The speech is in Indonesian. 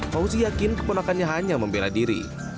fauzi yakin keponakannya hanya membela diri